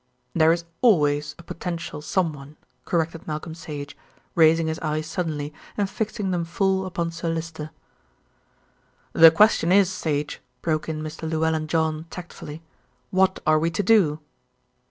"There is always a potential someone," corrected Malcolm Sage, raising his eyes suddenly and fixing them full upon Sir Lyster. "The question is, Sage," broke in Mr. Llewellyn John tactfully, "what are we to do?"